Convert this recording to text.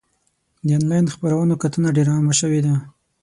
د انلاین خپرونو کتنه ډېر عامه شوې ده.